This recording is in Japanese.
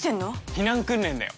避難訓練だよ